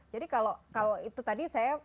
jadi kalau itu tadi saya